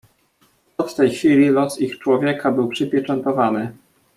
"Od tej chwili los ich człowieka był przypieczętowany."